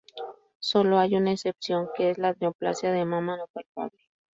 Sólo hay una excepción, que es la neoplasia de mama no palpable.